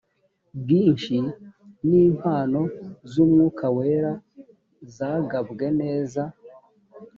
bwinshi n impano z umwuka wera zagabwe neza